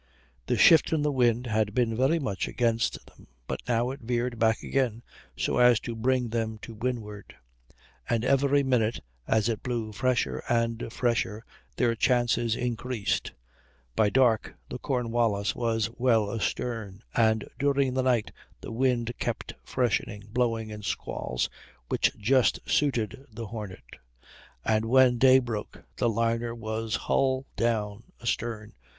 The shift in the wind had been very much against them, but now it veered back again so as to bring them to windward; and every minute, as it blew fresher and fresher, their chances increased. By dark the Cornwallis was well astern, and during the night the wind kept freshening, blowing in squalls, which just suited the Hornet, and when day broke the liner was hull down astern.